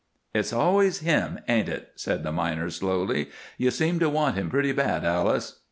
"It's always him, ain't it?" said the miner, slowly. "You seem to want him pretty bad, Alice.